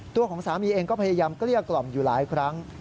ตัวของสามีเองก็พยายามเกลี้ยกล่อมอยู่หลายครั้ง